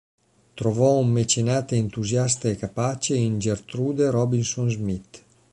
Trovò un mecenate entusiasta e capace in Gertrude Robinson Smith.